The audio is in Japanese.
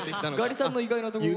ガリさんの意外なところ？